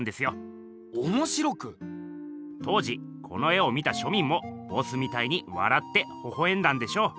当時この絵を見た庶民もボスみたいにわらってほほえんだんでしょう。